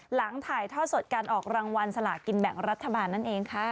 หลังถ่ายทอดสดการออกรางวัลสลากินแบ่งรัฐบาลนั่นเองค่ะ